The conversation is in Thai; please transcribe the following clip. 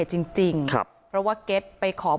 พระเจ้าอาวาสกันหน่อยนะครับ